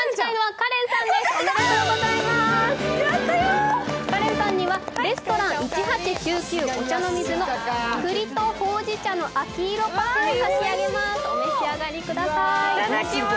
花恋さんには、レストラン１８９９お茶の水の栗とほうじ茶の秋色パフェを差し上げます。